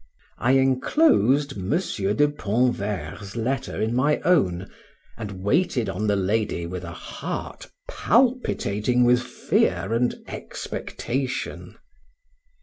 I enclosed M. de Pontverre's letter in my own and waited on the lady with a heart palpitating with fear and expectation.